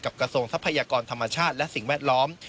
กระทรวงทรัพยากรธรรมชาติและสิ่งแวดล้อม